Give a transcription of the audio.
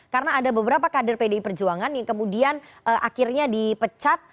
karena ada beberapa kader pdi perjuangan yang kemudian akhirnya dipecat